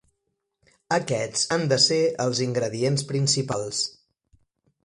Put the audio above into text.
Aquests han de ser els ingredients principals.